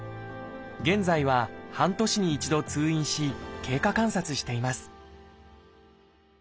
現在は半年に一度通院し経過観察しています